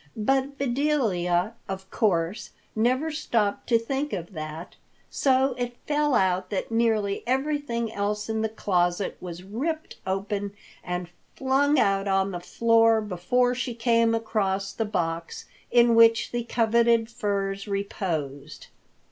But Bedelia, of course, never stopped to think of that so it fell out that nearly everything else in the closet was ripped open and flung out on the floor before she came across the box in which the coveted furs reposed.